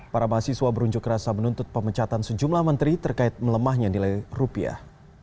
para mahasiswa berunjuk rasa menuntut pemecatan sejumlah menteri terkait melemahnya nilai rupiah